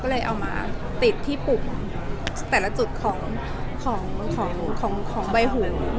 ก็เลยเอามาติดที่ปุ่มแต่ละจุดของใบหู